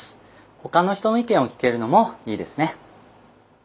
他の人の意見を聞けるのもいいですね。